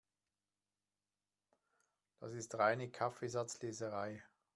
Das ist reine Kaffeesatzleserei.